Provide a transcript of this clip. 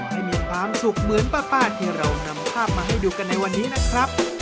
ให้มีความสุขเหมือนป้าที่เรานำภาพมาให้ดูกันในวันนี้นะครับ